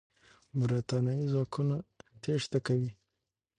برتانوي ځواکونه تېښته کوي.